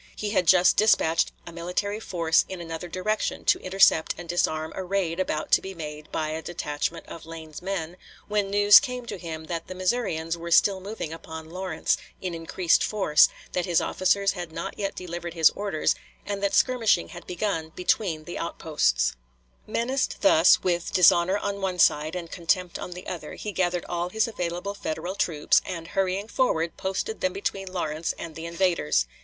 He had just dispatched a military force in another direction to intercept and disarm a raid about to be made by a detachment of Lane's men, when news came to him that the Missourians were still moving upon Lawrence, in increased force, that his officers had not yet delivered his orders, and that skirmishing had begun between the outposts. D.W. Wilder, "Annals of Kansas," p. 108. Gihon, p. 152. Menaced thus with dishonor on one side and contempt on the other, he gathered all his available Federal troops, and hurrying forward posted them between Lawrence and the invaders.